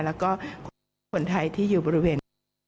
แล้วก็คนไทยที่อยู่บริเวณ